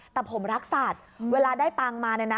แต่ผมรักสัตว์เวลาได้ตังค์มาเนี่ยนะ